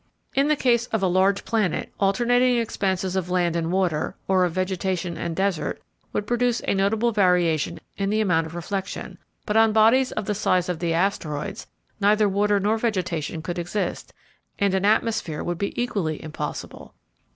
In the case of a large planet alternating expanses of land and water, or of vegetation and desert, would produce a notable variation in the amount of reflection, but on bodies of the size of the asteroids neither water nor vegetation could exist, and an atmosphere would be equally impossible.